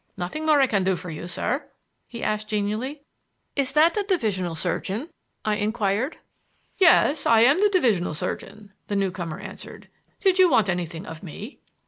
"Nothing more I can do for you, sir?" he asked genially. "Is that the divisional surgeon?" I inquired. "Yes. I am the divisional surgeon," the newcomer answered. "Did you want anything of me?"